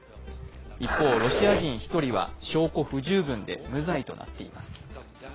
一方、ロシア人１人は証拠不十分で無罪となっています。